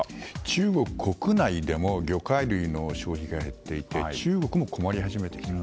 中国国内でも魚介類の消費が減っていて中国も困り始めてきている。